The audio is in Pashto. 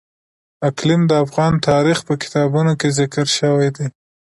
اقلیم د افغان تاریخ په کتابونو کې ذکر شوی دي.